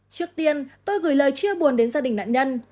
trước tiên tôi gửi lời chia buồn đến gia đình nạn nhân